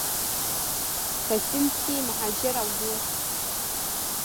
په سند کې مهاجر او نور